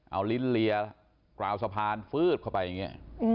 เอาลิ้นเรียกราวสะพานฟืดเข้าไปอย่างนี้